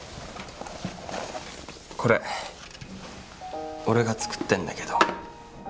これ俺が作ってんだけど。